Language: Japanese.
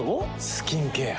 スキンケア。